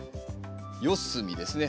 四隅ですね